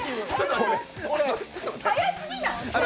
速すぎない！？